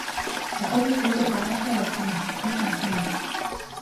Одоогийн хүүхэд багынхаа явдлыг мартдаггүй нь сайхан юм.